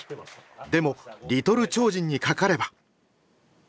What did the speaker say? でもリトル超人にかかれば。